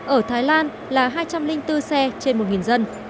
ở thái lan là hai trăm linh bốn xe trên một dân